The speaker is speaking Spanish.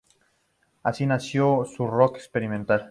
Así nació su "Rock Experimental".